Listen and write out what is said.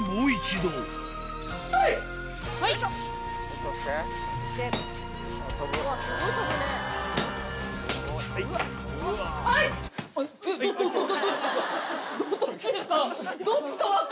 どっちですか？